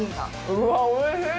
うわおいしい！